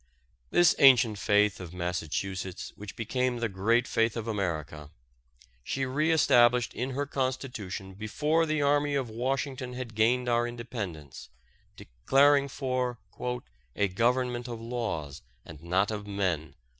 This ancient faith of Massachusetts which became the great faith of America, she reestablished in her Constitution before the army of Washington had gained our independence, declaring for "a government of laws and not of men."